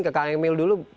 ke kang emil dulu